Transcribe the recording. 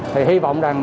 thì hy vọng rằng